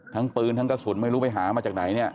ทั้งปืนทั้งกระสุนไม่รู้ไปหามาจากไหนเนี่ย